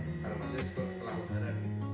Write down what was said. pemilik rumah penyalur indonesia